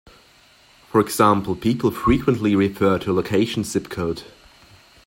For example people frequently refer to a location's "zip code".